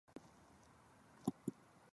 福島県檜枝岐村